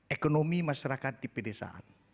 ekonomi masyarakat di pedesaan